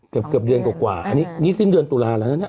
เกือบเกือบเดือนกว่าอันนี้สิ้นเดือนตุลาห์แล้วเนี่ย